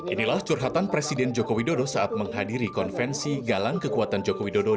inilah curhatan presiden joko widodo saat menghadiri konvensi galang kekuatan joko widodo